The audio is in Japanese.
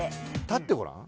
立ってごらん。